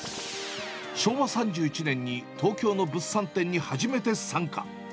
昭和３１年に東京の物産展に初めて参加。